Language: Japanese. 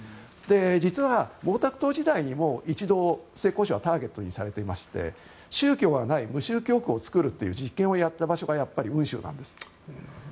実は毛沢東時代にも一度、浙江省はターゲットにされていまして宗教はない無宗教区を作るという実験をやった場所がやっぱり温州なんです。